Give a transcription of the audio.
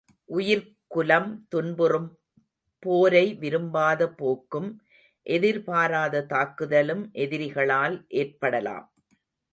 உயிர்க்குலம் துன்புறும் போரை, விரும்பாத போக்கும் எதிர்பாராத தாக்குதலும் எதிரிகளால் ஏற்படலாம்.